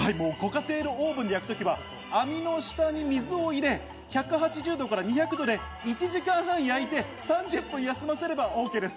ご家庭のオーブンで焼く時は、網の下に水を入れ１８０度から２００度で１時間半焼いて３０分休ませればＯＫです。